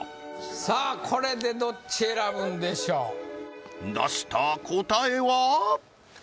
さあこれでどっち選ぶんでしょう出した答えは？